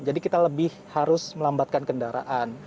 jadi kita lebih harus melambatkan kendaraan